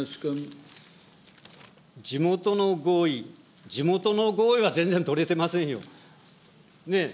地元の合意、地元の合意は全然取れてませんよ。